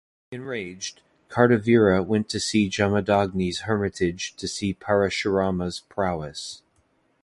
Enraged, Kartavirya went to Jamadagni's hermitage to see Parashurama's prowess.